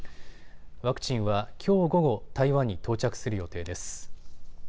ワクチンはきょう午後、台湾に到着する予定です。